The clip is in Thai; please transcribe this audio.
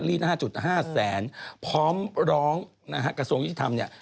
๕๕แสนพร้อมร้องนะฮะกระทรวงยุติธรรมเนี่ย